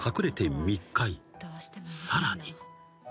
［さらに］